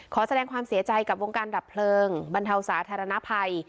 ขอแสดงความเสียใจกับวงการดับเพลิงบรรเทาสาธารณภัย